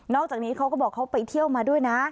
อกจากนี้เขาก็บอกเขาไปเที่ยวมาด้วยนะ